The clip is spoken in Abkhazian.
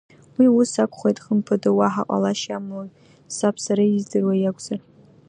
Уи ус акәхоит хымԥада, уаҳа ҟалашьас иамои, саб сара издыруа иакәзар…